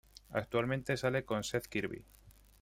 Actualmente sale con Seth Kirby.